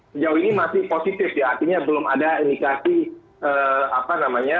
sejauh ini masih positif ya artinya belum ada indikasi apa namanya